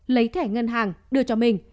lấy thẻ ngân hàng đưa cho mình